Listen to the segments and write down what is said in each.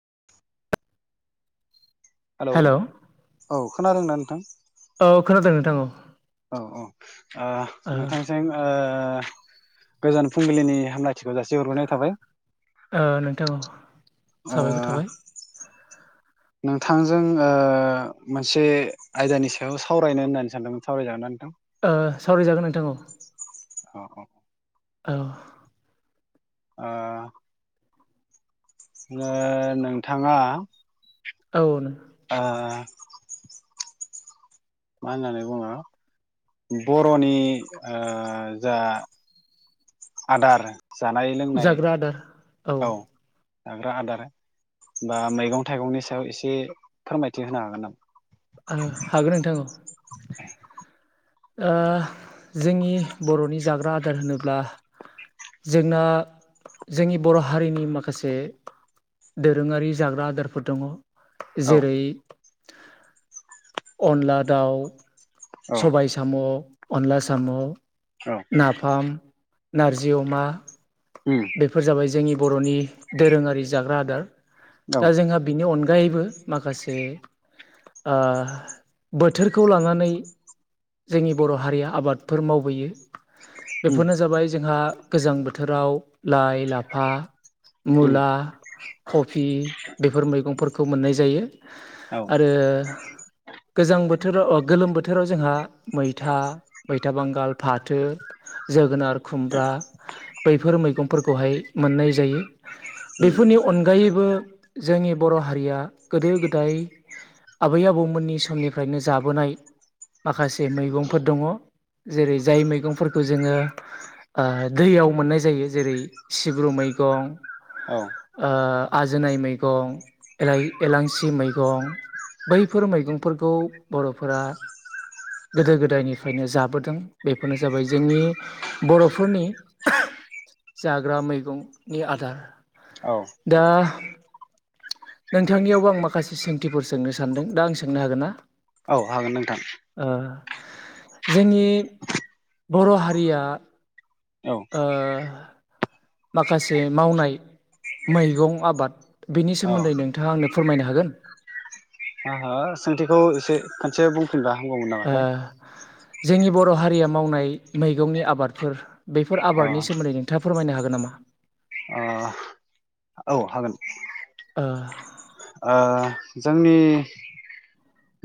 [unintelligible] Hello औ खोनादोंना नोंथां। औ खोनादों नोंथां औ औ औ ओ नोंथांजों ओ गोजान फुंबिलिनि हामलायथि खौ जासि हरग्रोनाय थाबाय ओ नोंथां औ अ साबायखर थाबाय नोंथांजों ओ मोनसे आयदानि सायाव सावरायनो होननानै सानदोंमोन सावरायजागोनना नोंथां। ओ सावरायजागोन नोंथां औ। अ अ। औ। ओ ओ नोंथाङा। औ नो आ मा होननानै बुङो बर'नि ओ जा आदार जानाय लोंनाय जाग्रा आदार औ जाग्रा आदार बा मैगं थाइगंनि सायाव एसे फोरमायथि होनो हागोन नामा। ओ हागोन नोंथां औ। ओ जोंनि बर'नि जाग्रा आदार होनोब्ला जोंना जोंनि बर' हारिनि माखासे दोरोङारि जाग्रा आदारफोर दङ औ जेरै अनला दाउ औ सबाय साम' अनला साम' औ नाफाम नारजि अमा उम बेफोर जाबाय जोंनि बर'नि दोरोङारि जाग्रा आदार औ दा जोंहा बिनि अनगायैबो माखासे ओ बोथोरखौ लानानै जोंनि बर' हारिया आबादफोर मावबोयो उम बेफोरनो जाबाय जोंहा गोजां बोथोराव लाइ लाफा औ मुला कफि बेफोर मैगंफोरखौ मोननाय जायो। औ आरो गोजां बोथोराव ओ गोलोम बोथोराव जोंहा मैथा मैथा बांगाल फाथो जोगोनार खुमब्रा बैफोर मैगंफोरखौहाय मोननाय जायो। बेफोरनि अनगायैबो जोंनि बर' हारिया गोदो गोदाय आबै आबौमोननि समनिफ्रायनो जाबोनाय माखासे मैगंफोर दंङ। जेरै जाय मैगंफोरखौ जोंङो ओ दैयाव मोननाय जायो जेरै सिब्रु मै मैगं औ ओ आजोनाय मैगं एलाय एलांसि मैगं बैफोर मैगंफोरखौ बर'फोरा गोदो गोदायनिफ्रायनो जाबोदों बेफोरनो जाबाय जोंनि बर'फोरनि जाग्रा मैगंनि आदार औ दा नोंथांनियावबो आं माखासे सोंथिफोर सोंनो सान्दों दा आं सोंनो हागोन ना? औ हागोन नोंथां। ओ जोंनि बर' हारिया औ ओ माखासे मावनाय मैगं आबाद बिनि सोमोन्दै नोंथांङा आंनो फोरमायनो हागोन। हो हो सोंथिखौ एसे खनसे बुंफिनबा हामगौमोन ओ नामाथाय जोंनि बर' हारिया मावनाय मैगंनि आबादफोर बेफोर अ आबादनि सोमोन्दै नोंथांङा फोरमायनो हागोन नामा? अ औ हागोन ओ ओ जोंनि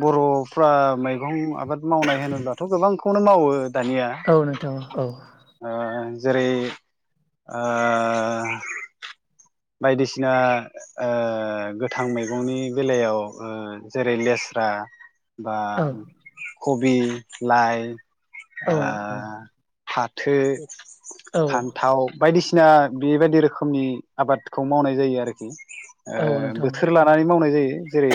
बर'फ्रा मैगं आबाद मावनाय होनोब्लाथ' गोबांखौनो मावो दानिया औ नोंथां औ ओ जेरै ओ बायदिसिना ओ गो गोथां मैगंनि बेलायाव ओ जेरै लेस्रा बा कबि लाइ औ ओ फाथो औ फान्थाव बायदिसिना बेबायदि रोखोमनि आबादखौ मावनाय जायो आरोखि ओ औ नोंथां बोथोर लानानै मावनाय जायो जेरै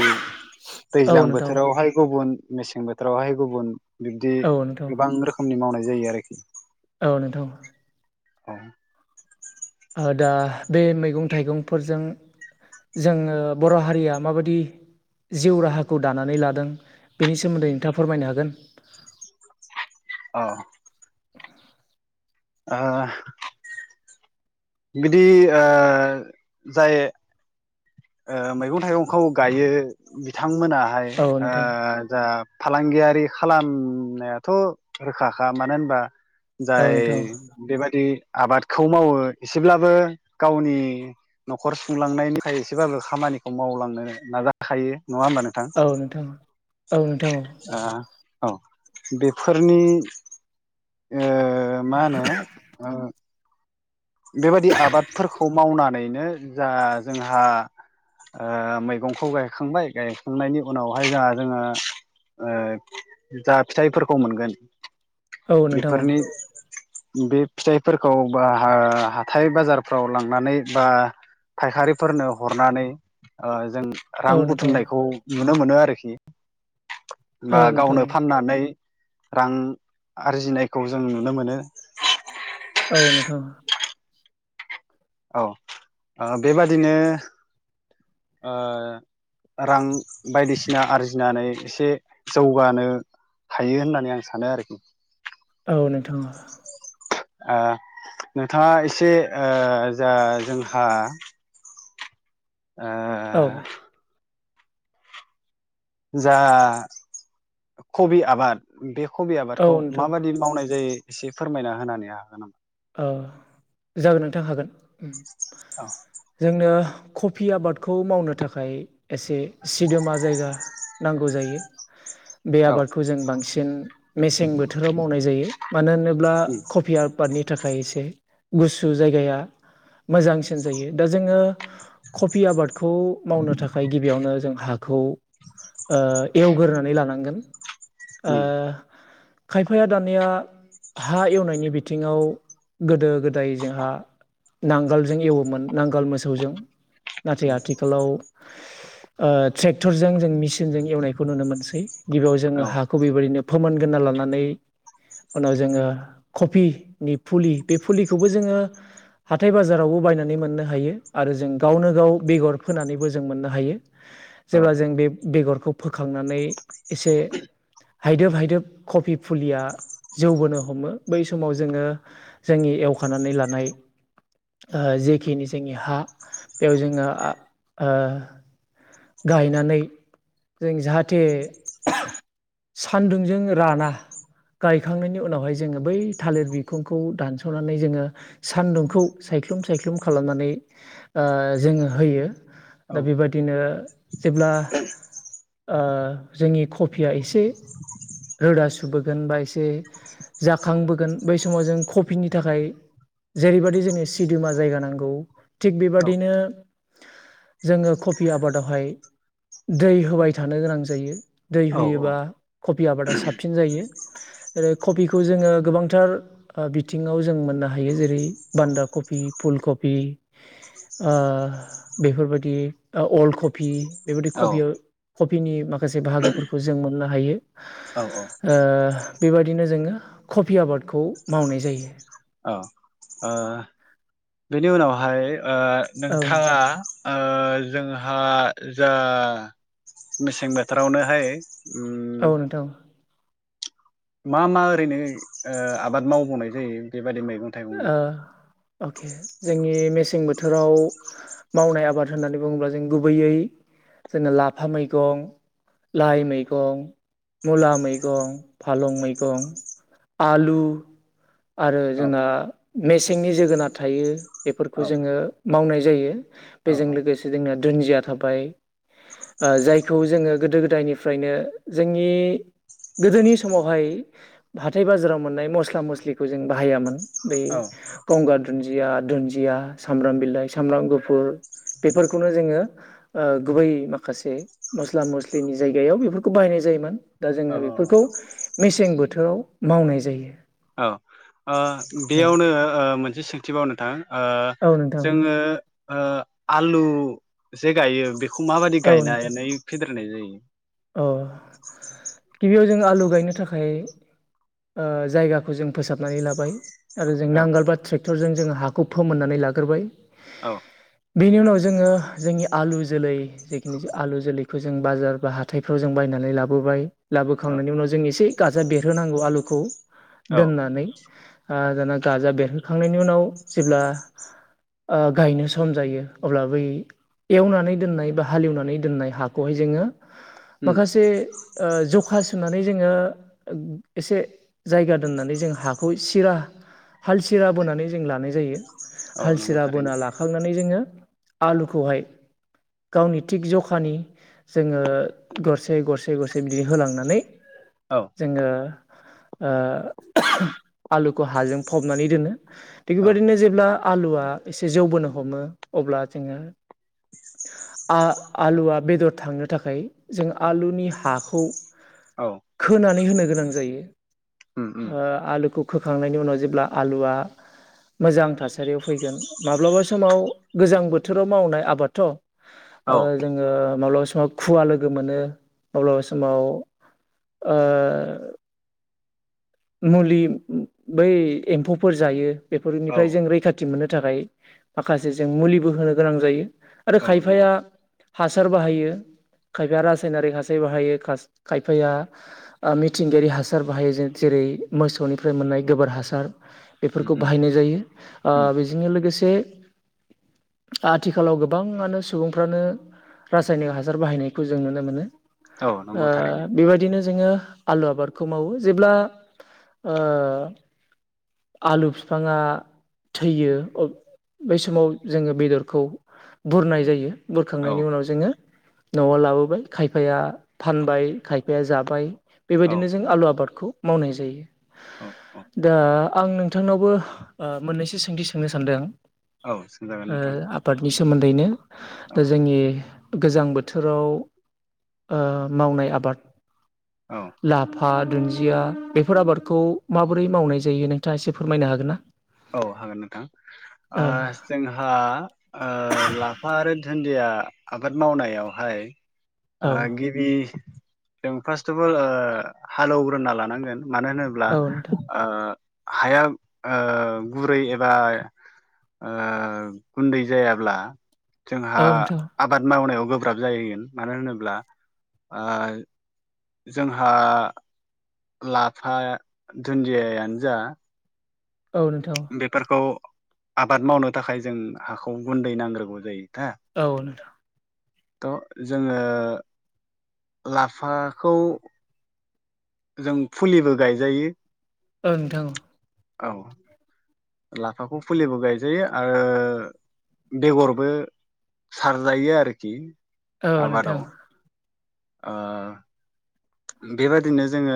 औ दैज्लां नोंथां बोथोरावहाय गुबुन मेसें बोथोरावहाय गुबुन बिब्दि औ नोंथां गोबां रोखोमनि मावनाय जायो आरोखि औ नोंथां औ ओ दा बे मैगं थाइगंफोरजों जोंङो बर' हारिया माबादि जिउ राहाखौ दानानै लादों बिनि सोमोन्दै नोंथांङा फोरमायनो हागोन। अ ओहोहो बिदि ओ जाय ओ मैगं थाइगंखौ गायो बिथांमोना हाय औ ओ नोंथां जा फालांगियारि खालामनायाथ' रोखाखा मानो होनबा औ जाय नोंथां बेबादि आबादखौ मावो एसेब्लाबो गावनि न'खर सुंलांनायनि थाखाय एसेबाबो खामानिखौ मावलांनो नाजाखायो नंङा होमबा नोंथां औ नोंथां औ नोंथां औ औ बेफोरनि ओ मा होनो ओ बेबायाददि आबादफोरखौ मावनानैनो जा जोंहा ओ मैगंखौ गायखांबाय गायखांनायनि उनावहाय जोंहा जोंङो। ओ जा फिथाइफोरखौ मोनगोन। औ नोंथां बेफोरनि बे फिथाइफोरखौ बा ओ हाथाय बाजारफ्राव लांनानै बा फायखारिफोरनो हरनानै ओ जों औ रां नोंथां बुथुमनायखौ नुनो मोनो आरोखि औ बा नोंथां गावनो फाननानै रां आरजिनायखौ जों नुनो मोनो। औ नोंथां। औ ओ बेबादिनो ओ रां बायदिसिना आरजिनानै एसे जौगानो। हायो होननानै आं सानो आरोखि। औ नोंथाङा ओ नोंथाङा एसे ओ जा जोंहा ओ औ जा कबि आबाद बे कबि औ आबादखौ नोंथां माबाददि मावनाय जायो एसे फोरमायना होनानै हागोन नामा? औ जागोन नोंथां हागोन औ जोंनो कफि आबादखौ मावनो थाखाय एसे सिदोमा जायगा नांगौ जायो। [inaudible] बे आबादखौ जों बांसिन मेसें बोथोराव मावनाय जायो मानो होनोब्ला उम कबि आबादनि थाखाय एसे गुसु जायगाया। मोजांसिन जायो दा जोङो कफि आबादखौ मावनो थाखाय गिबियावनो जों हाग हाखौ ओ एवगोरानै लानांगोन। ओ उम खायफाया दानिया हा एवनायनि बिथिङाव गोदो गोदाय जोंहा नांगोलजों एवोमोन नांगोल मोसौजों नाथाय उम आथिखालाव ओ ट्रेक्टरजों जों मिेसिनजों एवनायखौ नुनो मोनसै गिबियाव जोङो औ हाखौ बेबायदिनो। फोमोनगोना लानानै उनाव जोङो कफिनि फुलि बे फुलिखौबो जोङो हाथाय बाजारावबो बायनानै मोननो हायो आरो जों गावनो गाव बेगर फोनानैबो जों मोननो हायो। औ जेब्ला जों बे बेगरखौ फोखांनानै एसे हायदोब हायदोब कबि फुलिया जौ बोनो हमो बै समाव जोङो जोंनि एवखानानै लानाय ओ जेखिनि जोंनि हा बेयाव जोङो ओ गायनानै जों जाहाथे सान्दुंजों राना गायखांनायनि उनावहाय जोङो बै थालिर बिखुंखौ दानस'नानै जोङो सान्दुंखौ सायख्लुम सायख्लुम खालामनानै ओ जोङो होयो दा बेबायदिनो [inaudible] ओ जोंनि कफिया एसे रोदा सुबुबोगोन बा एसे जाखांबोगोन बै समाव जों कफिनि थाखाय। जेरैबदि जोंनि सिदोमा जायगा नांगौ थिग औ बेबादिनो। जोङो खफि आबादाव बेहाय दै होबाय थानो गोनां जायो दै औ होयोबा। कफि आबादा साबसिन जायो जेरै कफिखौ जोङो गोबांथार ओ बिथिङाव जों मोन नो हायो जेरै बान्दा कबि फुल कबि ओ बेफोरबायदि अल्ड कफ कफि बेबायदि औ कफियाव कफिनि माखासे बाहागोफोरखौ जों मोननो हायो। औ औ। बेबायदिनो जोङो कफि आबादखौ मावनाय जायो। औ ओ बेनि उनावहाय ओ औ नोंथाङा नोंथां ओ जोंहा जा मेसें बोथोरावनोहाय उम औ नोंथां मा मा ओरैनो आबाद मावबावनाय जायो बे ओ अके जोंनि मेसें बोथोराव मावनाय आबाद होननानै बुङोब्ला जों गुबैयै जोंनो लाफा मैगं लाइ मैगं मुला मैगं फालं मैगं आलु आ औ जोंङो मेसेंनि जोगोनार थायो बेफोरखौ जोङो मावनाय जायो। औ बेजों लोगोसे जोंना दुन्दिया थाबाय। ओ जायखौ जोङो गोदो गोदायनिफ्रायनो जोंनि गोदोनि समावहाय हाथाय बाजाराव मोननाय मस्ला मस्लिखौ जों बाहायामोन। बे औ गंगार दुन्दिया दुन्दिया सामब्राम बिलाइ सामब्राम गुफुर बेफोरखौनो जोङो ओ गुबै माखासे मस्ला मस्लिनि जायगायाव बेफोरखौ बाहायनाय जायोमोन। दा जोङो औ औ बेफोरखौ मेसें बोथोराव मावनाय जायो। औ ओ बेयावनो ओ मोनसे सोंथिबाव नोंथां। ओ औ नोंथां जोङो ओ आलु जे गायो बे खौ माबायदि औ नोंथां गायनानै फेदेरनाय जायो अ गिबियाव जों आलु गायनो थाखाय ओ जायगाखौ जों फोसाबनानै लाबाय। आरो जों औ नांगोलबा ट्रेक्टरजों जोङो हाखौ फोमोननानै लाग्रोबाय औ बेनि उनाव जोङो जोंनि आलु जोलै जिखेनि जे आलु जोलैखौ जों बाजार बा हा थायफ्राव जों बायनानै लाबोबाय औ लाबोखांनायनि उनाव जों एसे गाजा बेरहोनांगौ आलुखौ औ दोननानै ओ दाना गाजा बेरहोखांनायनि उनाव जेब्ला ओ गायनो सम जायो अब्ला बै एवनानै दोननाय बा हालेवनानै दोननाय हाखौहाय जोङो उम माखासे ओ जखा सुनानै जोङो एसे जायगा दोननानै जों हाखौ सिरा हाल सिरा बोनानै जों लानाय जायो औ हाल नंगौ सिरा बोना थारैनो लाखांनानै जोङो आलुखौहाय गावनि थिग जखानि जोङो गरसे गरसे गरसे बिदिनो होलांनानै औ जोङो ओ आलुखौ हाजों फबनानै दोनो थिग औ बेबायदिनो जेब्ला आलुआ एसे जौबोनो हमो अब्ला जोङो आ आलुआ बेदर थांनो थाखाय जों आलुनि हाखौ औ खोनानै होनो गोनां जायो उम उम ओ आलुखौ फोखांनायनि उनाव जेब्ला आलुआ मोजां थासारियाव फैगोन माब्लाबा समाव गोजां बोथोराव मावनाय आबादथ' ओ औ जोङो माब्लाबा समाव खुवा लो गो मोनो अब्लाबा समाव ओ मुलि बै एम्फौफोर जायो औ बेफोरनिफ्राय जों रैखाथि मोननो थाखाय माखासे जों मुलिबो होनो गोनां जायो आरो औ नंगौ खायफाया हासार बाहायो खायफाया रासायनारिक हासार बाहायो खास खायफाया ओ मिथिंगायारि हासार बाहायो जे जेरै मोसौनिफ्राय मोननाय गोबोर हासार उम बेफोरखौ उम बाहायनाय जायो ओ उम बेजोंनो लोगोसे [inaudible] आथिखालाव गोबाङानो सुबुंफ्रानो रासायनिक हासार बाहायनायखौ जों नुनो मोनो। औ ओ नंगौ थारैनो बेबायदिनो जोङो आलु आबादखौ मावो जेब्ला ओ आलु फिफाङा थैयो अ बै समाव जोङो बेदरखौ बुरनाय जायो औ बुरखांनायनि उनाव जोङो न'आव लाबोबाय खायफाया फानबाय खायफाया जाबाय। औ बेबायदिनो जों आलु आबादखौ मावनाय जायो औ औ दा आं नोंथांनावबो ओ मोननैसो सोंथि सोंनो सान्दों औ सोंजागोन नोंथां सोमोन्दैनो औ दा जोंनि गोजां बोथोराव ओ मावनाय आबाद औ ला फा दुन्दिया बेफोर आबादखौ माबोरै मावनाय जायो नोंथाङा एसे फोरमायनो हागोन ना? औ हागोन नोंथां ओ जोंहा ओ लाफा आरो दुन्दिया आबाद मावनायावहाय ओ आ औ गिबि जों फास्ट अफ अल हालौवग्रोना लानांगोन मानो होनोब्ला औ नोंथां ओ हाया ओ गुरै एबा ओ गुन्दै जायाब्ला जोंहा औ नोंथां आबाद मावनायाव गोब्राब जायोगोन मानो होनोब्ला ओ जोंहा लाफा दुन्दियायानो जा औ नोंथां बेफोरखौ आबाद मावनो थाखाय जों हाखौ गुन्दै नांग्रोगौ जायो दा औ नोंथां थ' जोङो लाफाखौ जों फुलिबो गायजायो ओ नोंथां औ लाफाखौ फुलिबो गायजायो आरो बेगरबो सारजायो आरोखि औ आबादाव नोंथां ओ बेबायदिनो जोङो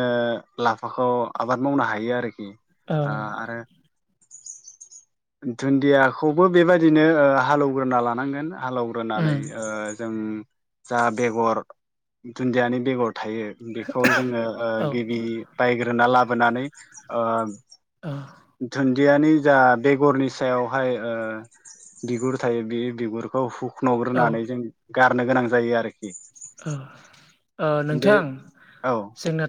लाफाखौ आबाद मावनो हायो आरो खि औ ओ आरो दुन्दियाखौबो बेबादिनो हालौग्रोना लानांगोन हालौग्रोनानै उम ओ जों जा बेगर दुन्दियानि बेगर थायो बेखौ जोङो ओ औ गिबि बायग्रोना लाबोनानै ओ ओ दियानि जा बेगरनि सायावहाय ओ बिगुर थायो बे बिगुरखौ हु खन' औ ग्रोनानै जों गारनो गोनां जायो आरोखि ओ ओ बे नोंथां औ जोंना